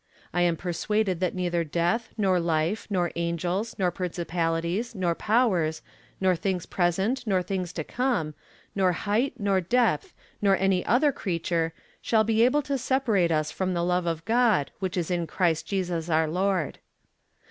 I am persuaded that neither death, nor life, nor angels, nor principalities, nor powers, nor things present, nor things to come, nor height, nor depth, nor any other creature, shall be able to separate us from the love of God, which is in Christ Jesus our Lord.